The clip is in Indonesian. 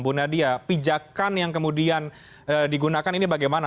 bu nadia pijakan yang kemudian digunakan ini bagaimana